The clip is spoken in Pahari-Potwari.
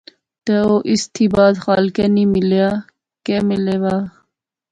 تے او اس تھی بعد خالقے نی ملیا، کہہ ملے وہا